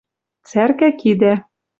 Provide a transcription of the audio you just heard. Цӓркӓ кидӓ